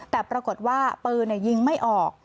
แต่ปรากฏว่าปืนยิงไม่ออก